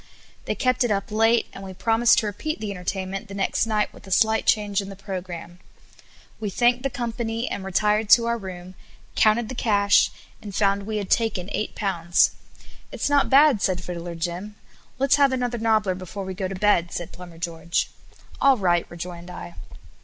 They kept it up late, and we promised to repeat the entertainment the next night with a slight change in the programme. We thanked the company, and retired to our room, counted the cash, and found we had taken eight pounds. "It's not bad," said Fiddler Jim. "Let's have another nobbler before we go to bed," said Plumber George. "All right," rejoined I.